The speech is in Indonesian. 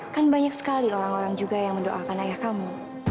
kan banyak sekali orang orang juga yang mendoakan ayah kamu